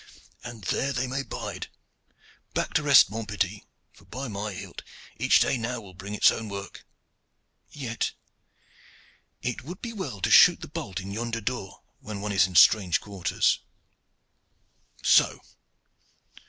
"And there they may bide. Back to rest, mon petit; for, by my hilt! each day now will bring its own work. Yet it would be well to shoot the bolt in yonder door when one is in strange quarters. So!"